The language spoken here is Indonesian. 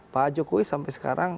pak jokowi sampai sekarang